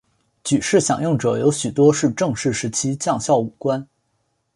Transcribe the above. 举事响应者有许多是郑氏时期将校武官。